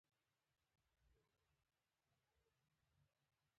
_نو زه څه مرسته درسره کولای شم؟